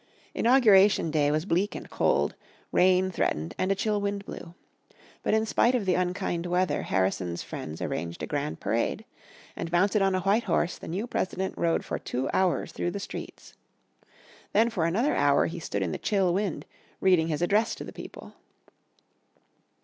Inauguration day was bleak and cold, rain threatened and a chill wind blew. But in spite of unkind weather Harrison's friends arranged a grand parade. And mounted on a white horse the new President rode for two hours through the streets. Then for another hour he stood in the chill wind reading his address to the people.